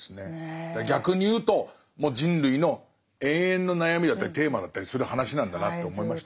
逆に言うともう人類の永遠の悩みだったりテーマだったりする話なんだなと思いましたね。